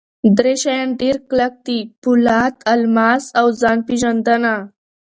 درې شیان ډېر کلک دي: پولاد، الماس اوځان پېژندنه.